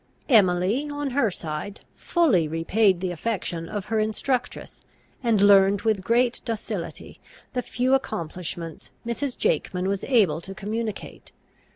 Emily, on her side, fully repaid the affection of her instructress, and learned with great docility the few accomplishments Mrs. Jakeman was able to communicate.